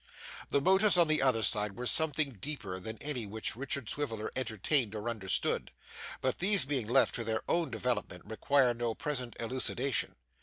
The motives on the other side were something deeper than any which Richard Swiveller entertained or understood, but these being left to their own development, require no present elucidation.